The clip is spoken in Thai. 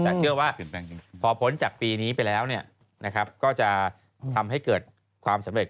แต่เชื่อว่าพอพ้นจากปีนี้ไปแล้วก็จะทำให้เกิดความสำเร็จ